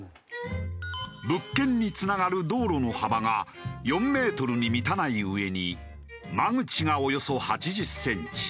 物件につながる道路の幅が４メートルに満たないうえに間口がおよそ８０センチ。